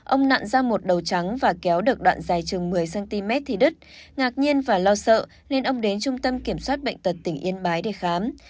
ông nặn ra một đầu trắng và kéo được đoạn dài chừng một mươi cm thì đứt ngạc nhiên và lo sợ nên ông đến trung tâm kiểm soát bệnh tật tỉnh yên bái để khám